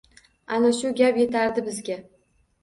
Ana shu gap yetardi bizga.